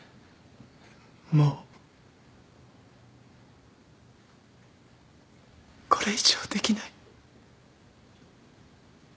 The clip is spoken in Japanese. もうこれ以上できない。